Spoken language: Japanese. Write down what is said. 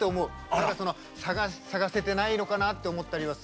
何か探せてないのかなって思ったりはする。